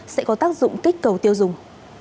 sẽ có tác dụng kích cầu tiêu dùng